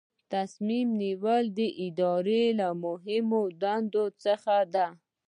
تصمیم نیونه د ادارې له مهمو دندو څخه ده.